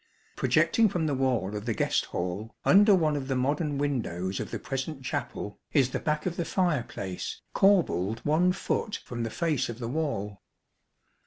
Projecting from the wall of the guest hall, under one of the modern windows of the present chapel, is the back of the fireplace corbelled one foot from the face of the wall.